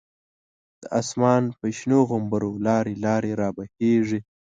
د آسمان په شنو غومبرو، لاری لاری رابهیږی